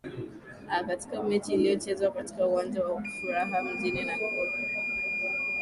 aah katika mechi iliyochezwa katika uwanja wa afuraha mjini nakuru